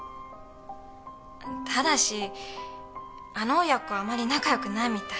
ただしあの親子あまり仲良くないみたい。